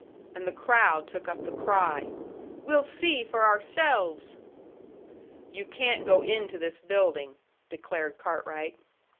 And the crowd took up the cry: "We'll see for ourselves!" "You can't go into this building," declared Cartwright.